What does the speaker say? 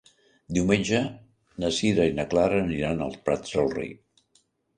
Diumenge na Sira i na Clara aniran als Prats de Rei.